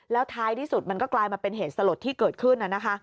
แล้วท้ายที่สุดมันก็กลายมาเป็นเหตุสลดที่เกิดขึ้น